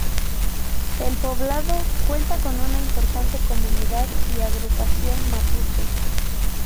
El poblado cuenta con una importante comunidad y agrupación mapuche.